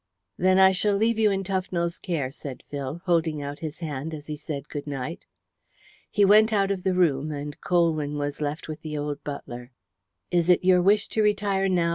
"Then I shall leave you in Tufnell's care," said Phil, holding out his hand as he said good night. He went out of the room, and Colwyn was left with the old butler. "Is it your wish to retire now?"